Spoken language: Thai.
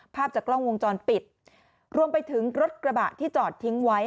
ภาพจากกล้องวงจรปิดรวมไปถึงรถกระบะที่จอดทิ้งไว้